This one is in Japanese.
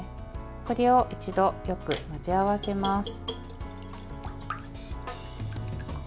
これを一度、よく混ぜ合わせます。